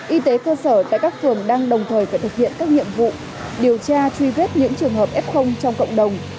y tế cơ sở tại các phường đang đồng thời phải thực hiện các nhiệm vụ điều tra truy vết những trường hợp f trong cộng đồng